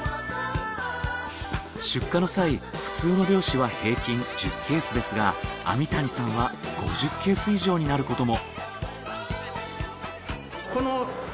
出荷の際普通の漁師は平均１０ケースですが網谷さんは５０ケース以上になることも。